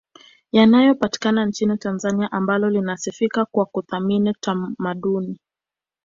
yanayopatikana nchini Tanzania ambalo linasifika kwa kuthamini tamaduni